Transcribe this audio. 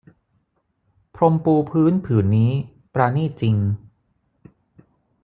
พรมปูพื้นผืนนี้ปราณีตจริง